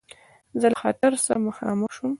زه له خطر سره مخامخ شوم.